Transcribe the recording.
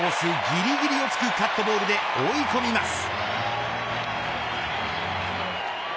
ぎりぎりを突くカットボールで追い込みます。